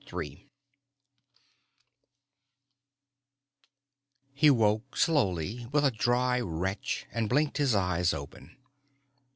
III He woke slowly, with a dry retch, and blinked his eyes open.